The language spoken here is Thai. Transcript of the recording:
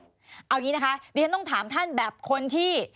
เอาอย่างนี้นะคะดิฉันต้องถามท่านแบบคนที่